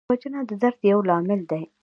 وژنه د درد یو لامل دی